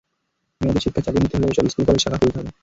মেয়েদের শিক্ষা চালিয়ে নিতে হলে এসব স্কুলে কলেজ শাখা খুলতে হবে।